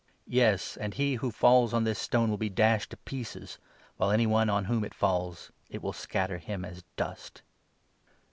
Yes, and he who falls on 44 this stone will be dashed to pieces, while any one on whom it falls — it will scatter him as dust."